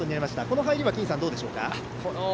この入りはどうでしょうか？